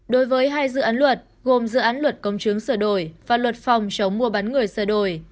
đối với hai dự án luật gồm dự án luật công chứng sửa đổi và luật phòng chống mua bán người sửa đổi